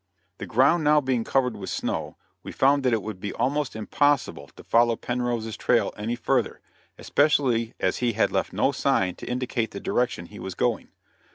The ground now being covered with snow, we found that it would be almost impossible to follow Penrose's trail any further, especially as he had left no sign to indicate the direction he was going.